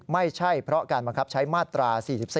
ไม่ใช่เพราะการบังคับใช้มาตรา๔๔